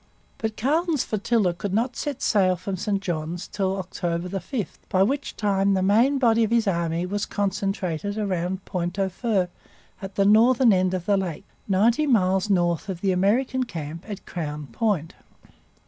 But Carleton's flotilla could not set sail from St Johns till October 5, by which time the main body of his army was concentrated round Pointe au Fer, at the northern end of the lake, ninety miles north of the American camp at Crown Point.